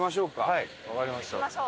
はいわかりました。